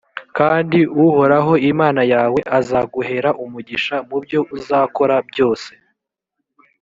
kandi uhoraho imana yawe azaguhera umugisha mu byo uzakora byose.